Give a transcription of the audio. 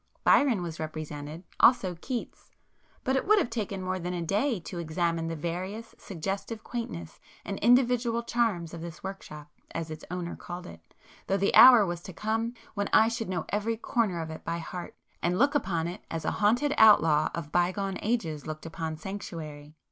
Byron was represented,—also Keats; but it would have taken more than a day to examine the various suggestive quaintnesses and individual charms of this 'workshop' as its owner called it, though the hour was to come when I should know every corner of it by heart, and look upon it as a haunted outlaw of bygone ages looked upon 'sanctuary.